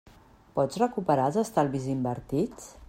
Pots recuperar els estalvis invertits?